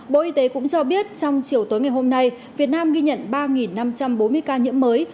bộ y tế cũng cho biết trong chiều tối ngày hôm nay việt nam ghi nhận ba năm trăm bốn mươi ca nhiễm mới